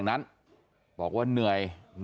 สวัสดีครับคุณผู้ชาย